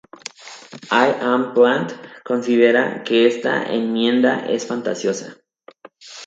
I. M. Plant considera que esta enmienda es "fantasiosa".